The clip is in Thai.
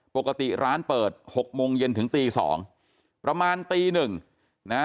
ปกติร้านเปิดหกโมงเย็นถึงตีสองประมาณตีหนึ่งนะ